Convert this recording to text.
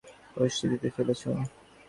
বেশ, তুমিই আমাদের এই পরিস্থিতিতে ফেলেছো।